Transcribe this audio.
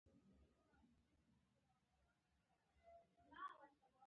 انجوګانې د خپلو کارکوونکو پر تنخواګانو مصرفیږي.